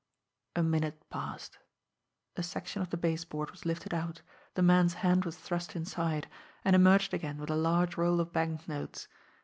A minute passed. A section of the base board was lifted out, the man's hand was thrust inside and emerged again with a large roll of banknotes.